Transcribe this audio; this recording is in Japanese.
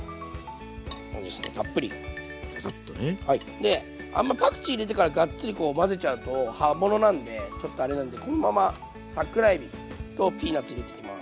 であんまりパクチー入れてからガッツリ混ぜちゃうと葉物なんでちょっとあれなんでこのまま桜えびとピーナツ入れていきます。